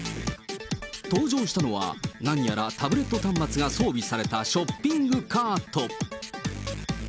登場したのは、何やらタブレット端末が装備されたショッピングカート。